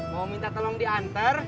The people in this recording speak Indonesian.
mau minta tolong diantar